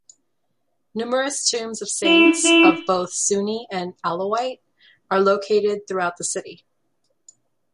Numerous tombs of saints, of both Sunni and Alawite, are located throughout the city.